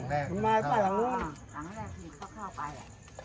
หลังแรกนิดเข้าเข้าไปอ่ะแล้วก็พวดมา